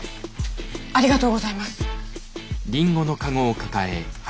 ありがとうございます。